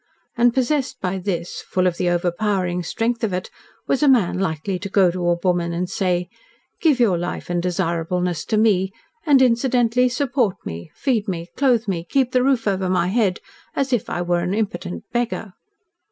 And possessed by this full of the overpowering strength of it was a man likely to go to a woman and say, "Give your life and desirableness to me; and incidentally support me, feed me, clothe me, keep the roof over my head, as if I were an impotent beggar"?